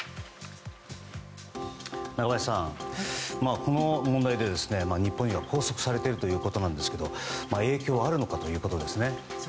中林さん、この問題で日本人が拘束されているということですが影響はあるのかということですね。